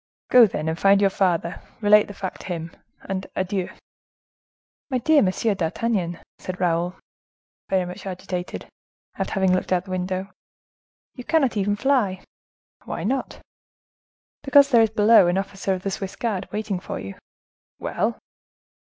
Go, then, and find your father, relate the fact to him—and adieu!" "My dear Monsieur d'Artagnan," said Raoul, very much agitated, after having looked out the window, "you cannot even fly!" "Why not?" "Because there is below an officer of the Swiss guards waiting for you." "Well?"